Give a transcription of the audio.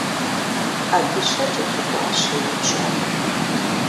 Ӏэдыщэ кӀэлъыкӀуащ и ныбжьэгъум.